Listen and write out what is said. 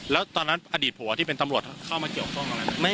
แล้วตอนนั้นอดีตผัวที่เป็นตำรวจเข้ามาเกี่ยวข้องตรงนั้น